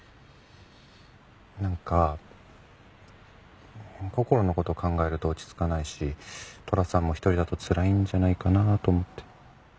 なんかこころの事考えると落ち着かないし寅さんも一人だとつらいんじゃないかなと思って。